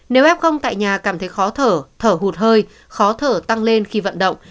nếu f tại nhà cảm thấy khó thở thở hụt hơi khó thở tăng lên khi vận động